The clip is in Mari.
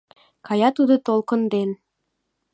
Кая тудо толкын ден